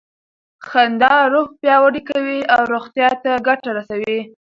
خندا روح پیاوړی کوي او روغتیا ته ګټه رسوي.